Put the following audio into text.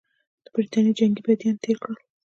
د برټانیې جنګي بندیان تېر کړل.